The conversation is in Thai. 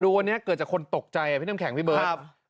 วันนี้เกิดจากคนตกใจพี่น้ำแข็งพี่เบิร์ต